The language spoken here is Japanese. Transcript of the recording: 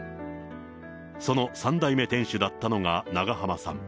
その３代目店主だったのが長濱さん。